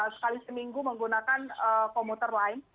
sekali seminggu menggunakan komuter lain